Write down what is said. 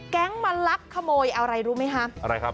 แก๊งมาลับขโมยอะไรรู้มั้ยคะ